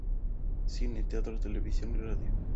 Cine, Teatro, Televisión y Radio